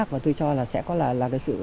và tôi cho là sẽ có là